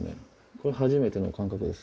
これ初めての感覚です。